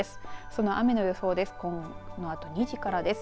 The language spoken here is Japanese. その雨の予想です。